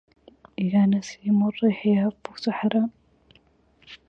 يا نسيم الريح يهفو سحرا